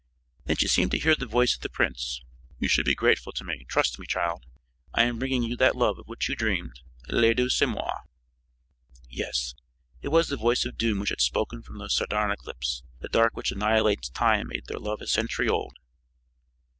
Then she seemed to hear the voice of the prince: "You should be grateful to me. Trust me, child, I am bringing you that love of which you dreamed. Le Dieu, c'est moi!" Yes, it was the voice of doom which had spoken from those sardonic lips. The dark which annihilates time made their love a century old.